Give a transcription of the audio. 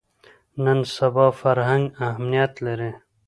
نن سبا فرهنګ اهمیت لري